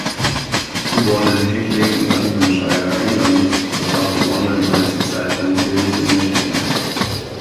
Geboren in Hickling, Nottinghamshire, England, verbrachte Warner die meiste Zeit seines Lebens in Michigan.